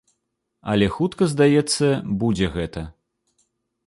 Але хутка, здаецца, будзе гэта.